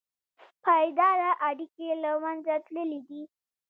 پایداره اړیکې له منځه تللي دي.